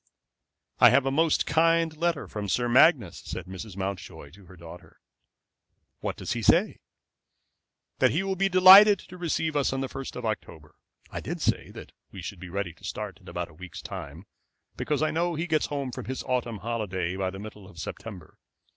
"I have a most kind letter from Sir Magnus," said Mrs. Mountjoy to her daughter. "What does he say?" "That he will be delighted to receive us on the 1st of October. I did say that we should be ready to start in about a week's time, because I know that he gets home from his autumn holiday by the middle of September.